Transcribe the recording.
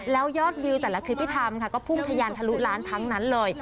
แล้วยอดวิวแต่ละคลิปที่ทำค่ะก็พุ่งทะยานทะลุล้านทั้งนั้นเลย